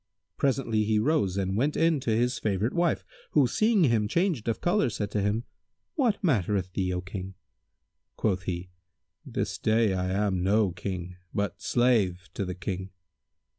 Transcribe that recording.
Presently he rose and went in to his favourite wife who, seeing him changed of colour, said to him, "What mattereth thee, O King?" Quoth he, "This day I am no King but slave to the King."